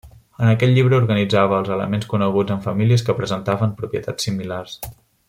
En aquest llibre organitzava els elements coneguts en famílies que presentaven propietats similars.